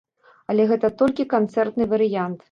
Але гэта толькі канцэртны варыянт.